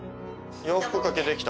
洋服かけ出来た。